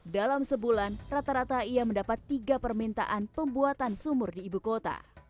dalam sebulan rata rata ia mendapat tiga permintaan pembuatan sumur di ibu kota